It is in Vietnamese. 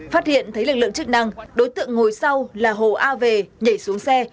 phát hiện thấy lực lượng chức năng đối tượng ngồi sau là hồ a về nhảy xuống xe